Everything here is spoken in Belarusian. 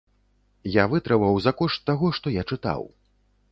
Я вытрываў за кошт таго, што я чытаў.